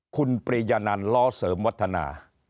คุณปริยนันล้อเสริมวัฒนา